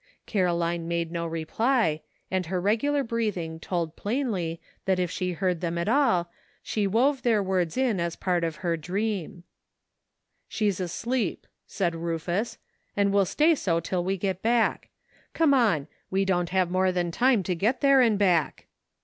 Caroline made no reply, and her regular breathing told plainly that if she heard them at all she wove their words in as part of her dream. " She's asleep," said Rufus, " and will stay so till we get back. Come on, we won't have more "A PRETTY STATE OF THINGS:' 53 than time to get there and back."